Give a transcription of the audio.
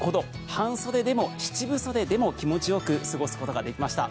半袖でも七分袖でも気持ちよく過ごすことができました。